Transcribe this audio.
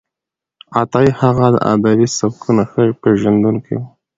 عطايي هغه د ادبي سبکونو ښه پېژندونکی و.